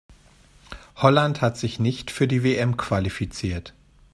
Holland hat sich nicht für die WM qualifiziert.